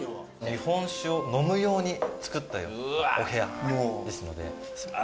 日本酒を飲む用に作ったお部屋ですので。